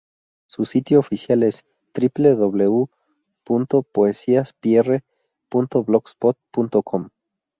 Su sitio oficial es www.poesiapierre.blogspot.com